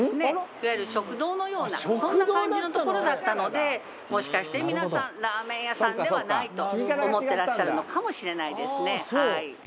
いわゆる食堂のようなそんな感じの所だったのでもしかして皆さんラーメン屋さんではないと思ってらっしゃるのかもしれないですねはい。